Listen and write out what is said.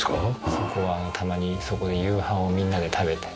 そこはたまにそこで夕飯をみんなで食べたり。